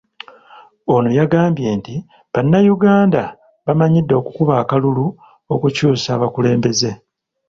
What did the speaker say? Ono yagambye nti Bannayuganda bamanyidde okukuba akalulu okukyusa abakulembeze.